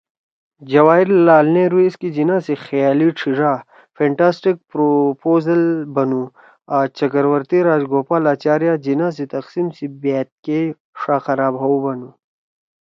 جواہرلعل نہرو ایسکے جناح سی ”خیالی ڇھیِڙا“(Fantastic proposals) بنُو آں چکرورتی راجگوپال آچاریہ جناح سی تقسیم سی بأت کے ”ݜا خراب ہؤ“ بنُو